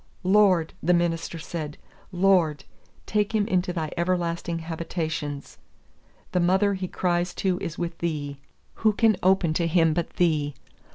"Lord," the minister said, "Lord, take him into Thy everlasting habitations. The mother he cries to is with Thee. Who can open to him but Thee?